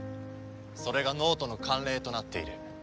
それが脳人の慣例となっている。